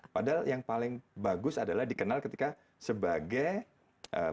padahal yang paling bagus adalah dikenal ketika sebagai perusahaan yang mengingat